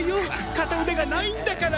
片腕がないんだから。